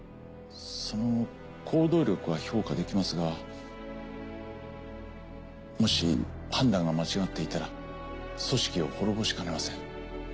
その行動力は評価できますがもし判断が間違っていたら組織を滅ぼしかねません。